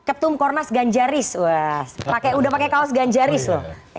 mas eko tumkornas ganjaris udah pakai kaos ganjaris loh